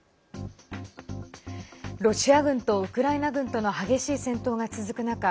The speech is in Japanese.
ロシア軍とウクライナ軍との激しい戦闘が続く中